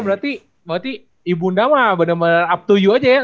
berarti ibu ndama up to you saja ya